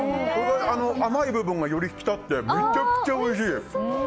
甘い部分がより引き立ってめちゃくちゃおいしい。